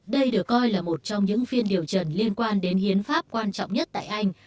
đây được coi là một trong những phiên điều trần liên quan đến hiến pháp quan trọng nhất tại anh